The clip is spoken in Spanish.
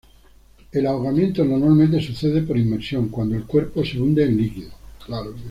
El ahogamiento normalmente sucede por inmersión, cuando el cuerpo se hunde en líquido.